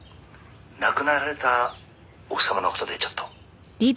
「亡くなられた奥様の事でちょっと」